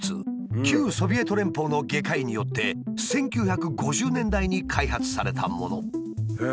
旧ソビエト連邦の外科医によって１９５０年代に開発されたもの。